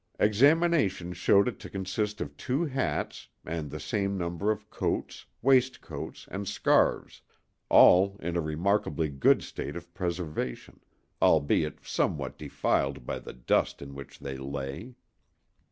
Examination showed it to consist of two hats, and the same number of coats, waistcoats and scarves, all in a remarkably good state of preservation, albeit somewhat defiled by the dust in which they lay.